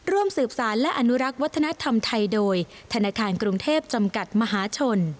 ร่วมสืบสารและอนุรักษ์วัฒนธรรมไทยโดยธนาคารกรุงเทพจำกัดมหาชน